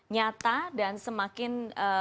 nyata dan semakin